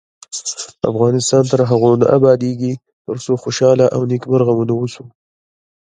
افغانستان تر هغو نه ابادیږي، ترڅو خوشحاله او نیکمرغه ونه اوسو.